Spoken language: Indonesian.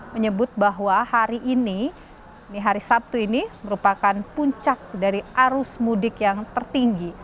menyebut bahwa hari ini hari sabtu ini merupakan puncak dari arus mudik yang tertinggi